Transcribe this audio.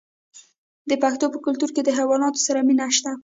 د پښتنو په کلتور کې د حیواناتو سره مینه شته.